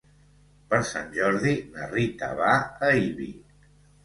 Per Sant Jordi na Rita va a Ibi.